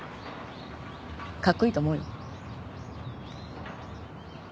カッコイイと思うよ。